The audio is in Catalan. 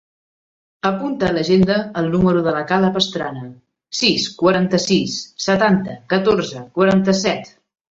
Apunta a l'agenda el número de la Kala Pastrana: sis, quaranta-sis, setanta, catorze, quaranta-set.